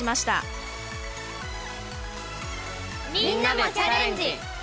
みんなも「チャレンジ！